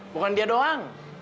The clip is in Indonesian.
bukan dia doang